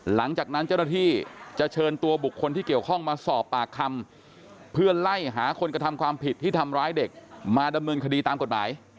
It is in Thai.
หลังจากนั้นเจ้าหน้าที่จะเชิญตัวบุคคลที่เกี่ยวข้องมาสอบปากคำเพื่อไล่หาคนกระทำความผิดที่ทำร้ายเด็กมาดำเนินคดีตามกฎหมาย